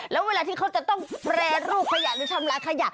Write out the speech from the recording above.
แล้วเวลาที่เขาจะต้องแปรรูปขยะหรือชำระขยะ